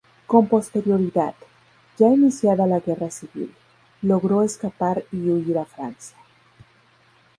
Con posterioridad, ya iniciada la guerra civil, logró escapar y huir a Francia.